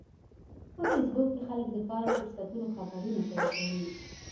په فېسبوک کې خلک د کار او فرصتونو خبرونه شریکوي